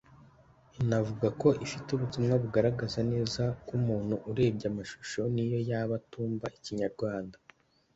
Inavuga ko ifite ubutumwa bugaragara neza k’umuntu urebye amashusho n’iyo yaba atumva Ikinyarwanda